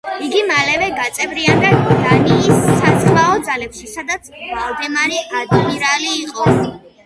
იგი მალევე გაწევრიანდა დანიის საზღვაო ძალებში, სადაც ვალდემარი ადმირალი იყო.